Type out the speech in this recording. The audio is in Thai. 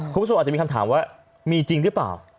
คุณผู้ชมอาจจะมีคำถามว่ามีจริงหรือเปล่า